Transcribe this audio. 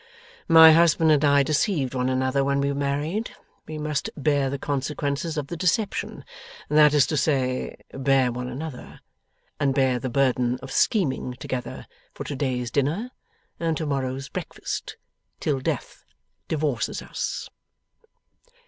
My husband and I deceived one another when we married; we must bear the consequences of the deception that is to say, bear one another, and bear the burden of scheming together for to day's dinner and to morrow's breakfast till death divorces us.